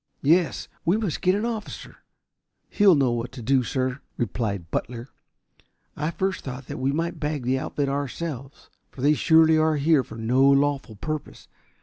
"Yes. We must get an officer. He will know what to do, sir," replied Butler. "I first thought we might bag the outfit ourselves, for they surely are here for no lawful purpose.